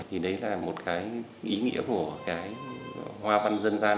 thì đấy là một cái ý nghĩa của cái hoa văn dân gian